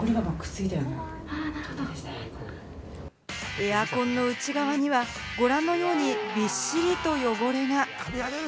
エアコンの内側には、ご覧のようにびっしりと汚れが。